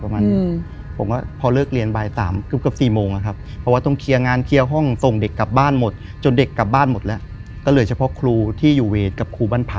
เมื่อที่นี่กือเมื่อร่วมตัวนี้